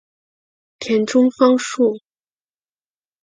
田中芳树。